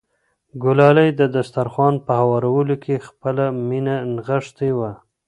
ګلالۍ د دسترخوان په هوارولو کې خپله مینه نغښتې وه.